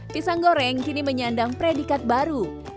pisang goreng kini menyandang predikat baru